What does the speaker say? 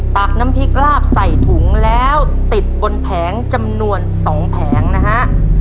ตักน้ำพริกลาบใส่ถุงแล้วติดบนแผงจำนวน๒แผงนะฮะ